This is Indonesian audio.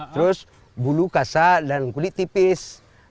terus bulu kasar dan kulit tipis